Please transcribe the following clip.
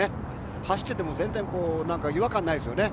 走っていても全然違和感がないですよね。